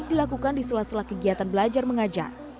dilakukan di sela sela kegiatan belajar mengajar